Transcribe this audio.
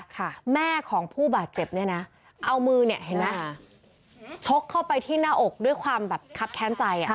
ค่ะแม่ของผู้บาดเจ็บเนี่ยนะเอามือเนี่ยเห็นไหมชกเข้าไปที่หน้าอกด้วยความแบบคับแค้นใจอ่ะ